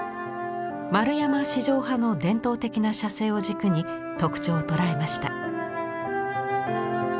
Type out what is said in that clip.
円山四条派の伝統的な写生を軸に特徴を捉えました。